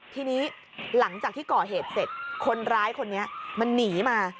ทีนี้หลังจากที่ก่อเหตุเสร็จคนร้ายคนนี้มันหนีมา